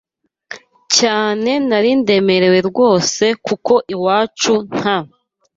cyane nari ndemerewe rwose kuko iwacu nta